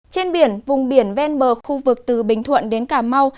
trên biển vùng biển ven bờ khu vực từ bình thuận đến cà mau